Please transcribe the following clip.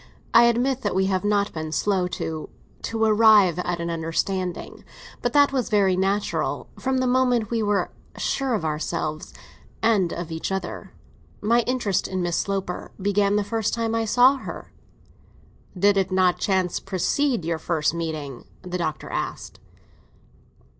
"I admit that we have not been slow to—to arrive at an understanding. But that was very natural, from the moment we were sure of ourselves—and of each other. My interest in Miss Sloper began the first time I saw her." "Did it not by chance precede your first meeting?" the Doctor asked.